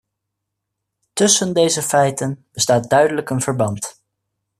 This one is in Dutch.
Tussen deze feiten bestaat duidelijk een verband.